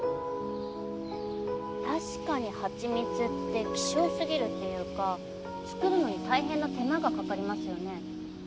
確かに蜂蜜って希少過ぎるっていうか作るのに大変な手間がかかりますよね。